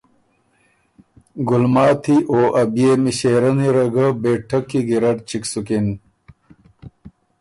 ګلماتی او ا بيې مِݭېرنی ره ګۀ بهېټک کی ګیرډ چِک سُکِن